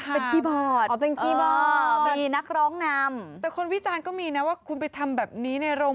ไม่ได้สิเพราะว่าไม่มีเครื่องขยายเสียง